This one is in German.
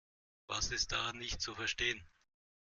Was ist daran nicht zu verstehen?